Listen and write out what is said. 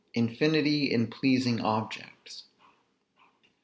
INFINITY IN PLEASING OBJECTS.